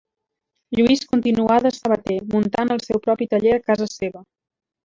Lluís continuà de sabater, muntant el seu propi taller a casa seva.